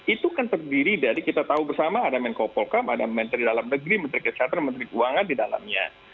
itu kan terdiri dari kita tahu bersama ada menko polkam ada menteri dalam negeri menteri kesehatan menteri keuangan di dalamnya